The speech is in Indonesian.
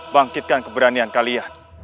bangkitkan keberanian kalian